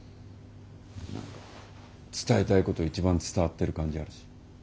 何か伝えたいこと一番伝わってる感じあるし。